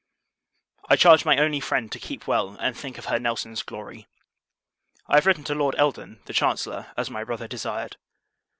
I charge my only friend to keep well, and think of her Nelson's glory. I have written to Lord Eldon, the Chancellor, as my brother desired.